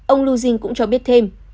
ông luzhin cũng cho biết thêm